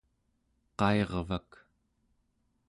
qairvak